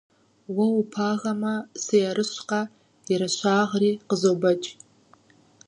Уэ упагэмэ, сыерыщкъэ, ерыщагъри къызобэкӀ.